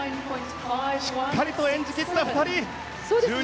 しっかりと演じ切った２人。